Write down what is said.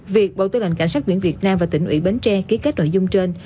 việc bộ tư lệnh cảnh sát biển việt nam và tỉnh ủy bến tre ký kết nội dung trên